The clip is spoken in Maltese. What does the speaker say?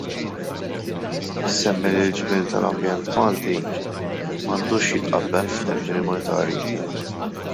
Isemmi li l-ġmiel tal-ambjent Malti m'għandux jitqabbel f'termini monetarji.